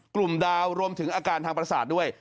กลุ่มดาวรวมถึงอาการทางปราศาสตร์ด้วย